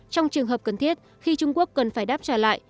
trong trường hợp cần thiết khi trung quốc cần phải đáp trả lại